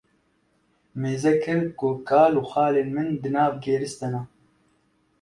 mêze kir ku kal û xalên min di nav gêris de ne